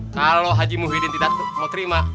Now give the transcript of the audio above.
kalau haji muhyidin tidak mau terima